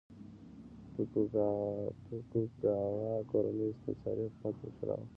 توکوګاوا کورنۍ استثماري حکومت چلاوه.